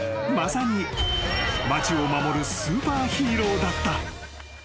［まさに町を守るスーパーヒーローだった］